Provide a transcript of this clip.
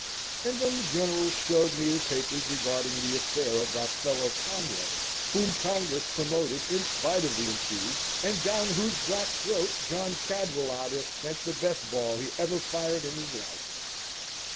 And then the General showed me the papers regarding the affair of that fellow Conway, whom Congress promoted in spite of the intrigue, and down whose black throat John Cadwalader sent the best ball he ever fired in his life.